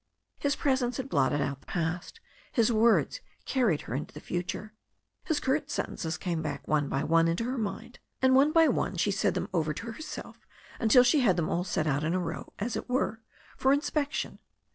His presence had blotted out the past, his words carried her into the future. His curt sentences came back one by one into her mind, and one by one she said them over to herself until she had them all set out in a row, as it were, for inspection.